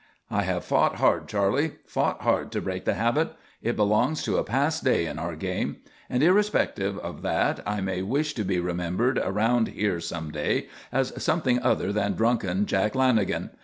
"I have fought hard, Charley; fought hard to break the habit. It belongs to a past day in our game. And irrespective of that I may wish to be remembered around here some day as something other than drunken Jack Lanagan.